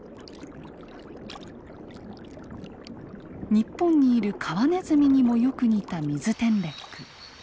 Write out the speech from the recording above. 日本にいるカワネズミにもよく似たミズテンレック。